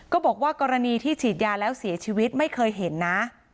บอกว่ากรณีที่ฉีดยาแล้วเสียชีวิตไม่เคยเห็นนะ